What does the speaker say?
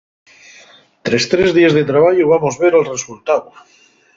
Tres trés díes de trabayu vamos ver el resultáu.